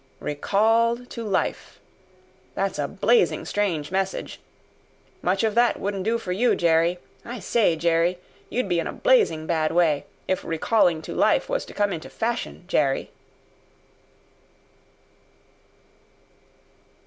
"'Recalled to life.' That's a Blazing strange message. Much of that wouldn't do for you, Jerry! I say, Jerry! You'd be in a Blazing bad way, if recalling to life was to come into fashion, Jerry!"